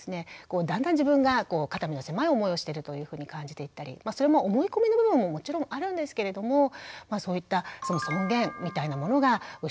だんだん自分が肩身の狭い思いをしてるというふうに感じていったりそれも思い込みの部分ももちろんあるんですけれどもそういったその尊厳みたいなものが失われていく。